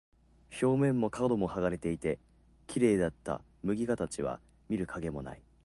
表面も角も剥がれていて、綺麗だった菱形は見る影もない。